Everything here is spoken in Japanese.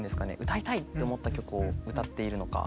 歌いたいって思った曲を歌っているのか。